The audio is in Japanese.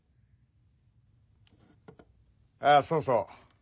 ・ああそうそう